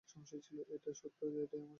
এটাই সত্য আর এটাই আমার স্বপ্ন।